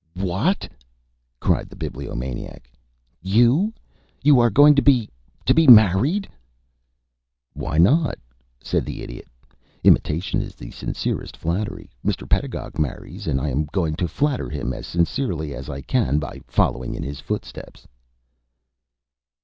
"What??" cried the Bibliomaniac. "You? You are going to be to be married?" "Why not?" said the Idiot. "Imitation is the sincerest flattery. Mr. Pedagog marries, and I am going to flatter him as sincerely as I can by following in his footsteps."